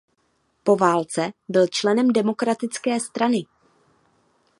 Po válce byl členem Demokratické strany.